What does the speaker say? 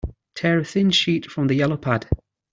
Tear a thin sheet from the yellow pad.